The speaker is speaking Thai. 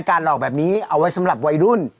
หลอกแบบนี้เอาไว้สำหรับวัยรุ่น